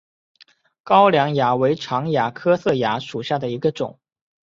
高梁蚜为常蚜科色蚜属下的一个种。